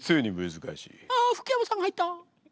あ福山さんが入った！